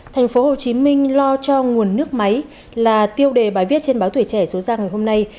thành phố hồ chí minh lo cho nguồn nước máy là tiêu đề bài viết trên báo tuổi trẻ số ra ngày hôm nay